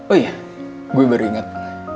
oh iya gue baru ingat